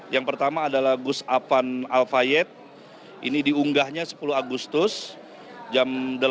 yang pertama adalah gusapan alfayed ini diunggahnya sepuluh agustus jam delapan